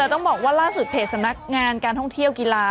แต่ต้องบอกว่าล่าสุดเพจสำนักงานการท่องเที่ยวกีฬา